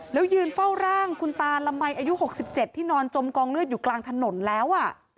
แล้วยืนเฝ้าร่างคุณตาละมัยอายุ๖๗ที่นอนจมกองเลือดอยู่กลางถนนแล้ว